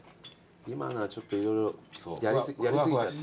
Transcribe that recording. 今のはちょっと色々やり過ぎちゃって。